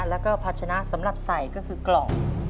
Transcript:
แล้วก็พัชนะสำหรับใส่ก็คือกล่อง